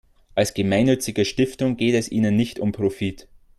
Als gemeinnützige Stiftung geht es ihnen nicht um Profit.